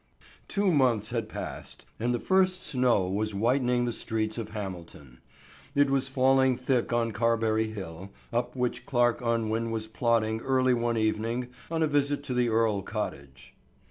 TWO months had passed and the first snow was whitening the streets of Hamilton. It was falling thick on Carberry hill, up which Clarke Unwin was plodding early one evening on a visit to the Earle cottage.